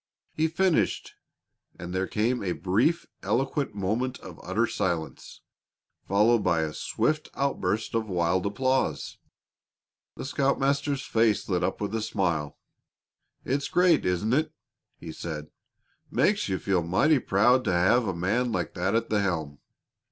He finished, and there came a brief, eloquent moment of utter silence, followed by a swift outburst of wild applause. The scoutmaster's face lit up with a smile. "It's great, isn't it?" he said. "Makes you feel mighty proud to have a man like that at the helm."